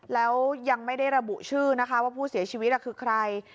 แล้วยังไม่ได้ระบุชื่อนะคะว่าผู้เสียชีวิตคือใคร